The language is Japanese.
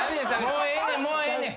もうええねんもうええねん。